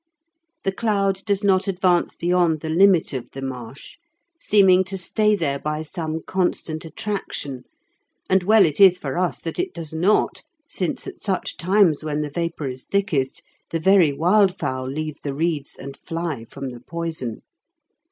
The cloud does not advance beyond the limit of the marsh, seeming to stay there by some constant attraction; and well it is for us that it does not, since at such times when the vapour is thickest, the very wildfowl leave the reeds, and fly from the poison.